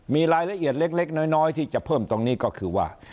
มีรายละเอียดเล็กน้อยที่จะเพิ่มตรงนี้ก็คือว่า